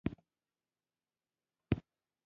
هره ورځ لږ وخت د خپلو فکرونو لپاره ځانګړی کړه.